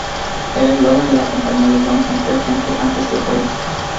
El eslogan de la campaña de Johnson fue "Gente antes que Política".